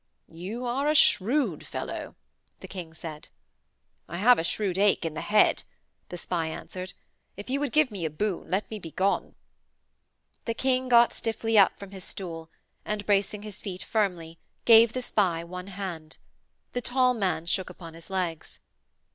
'You are a shrewd fellow,' the King said. 'I have a shrewd ache in the head,' the spy answered. 'If you would give me a boon, let me begone.' The King got stiffly up from his stool, and, bracing his feet firmly, gave the spy one hand. The tall man shook upon his legs.